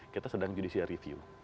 kita sedang judisia review